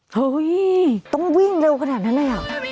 โอ้โฮต้องวิ่งเร็วขนาดนั้นเลยอ่ะ